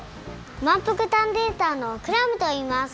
まんぷく探偵団のクラムといいます。